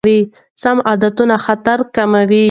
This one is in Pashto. سم عادتونه خطر کموي.